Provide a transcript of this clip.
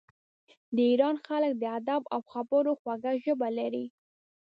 د ایران خلک د ادب او خبرو خوږه ژبه لري.